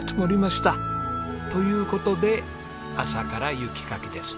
という事で朝から雪かきです。